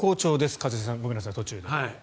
一茂さん、ごめんなさい途中で。